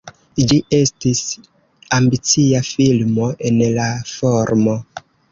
Ĝi estis ambicia filmo en la formo.